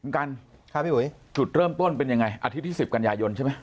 คุณกันชุดเริ่มต้นเป็นยังไงอาทิตย์ที่๑๐กันยายนใช่ไหม